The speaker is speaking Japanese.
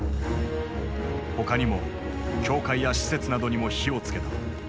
他にも教会や施設などにも火を付けた。